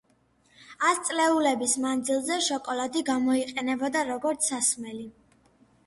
ასწლეულების მანძილზე, შოკოლადი გამოიყენებოდა, როგორც სასმელი.